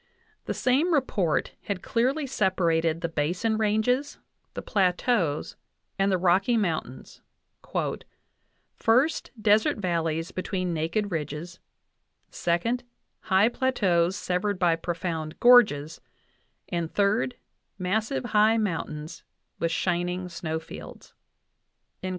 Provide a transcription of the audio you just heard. The same report had clearly separated the Basin Ranges, the Plateaus, and the Rocky Moun tains : "first, desert valleys between naked ridges ; second, high plateaus severed by profound gorges, and, third, massive high mountains with shining snow fields" (Uinta, 8).